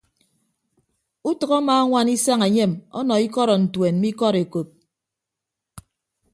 Utʌk amaañwana isañ enyem ọnọ ikọdọntuen mme ikọd ekop.